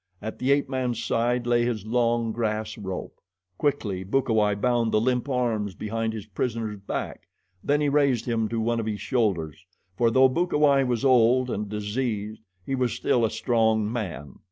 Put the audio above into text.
At the ape man's side lay his long, grass rope. Quickly Bukawai bound the limp arms behind his prisoner's back, then he raised him to one of his shoulders, for, though Bukawai was old and diseased, he was still a strong man.